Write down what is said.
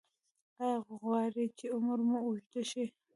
ایا غواړئ چې عمر مو اوږد شي؟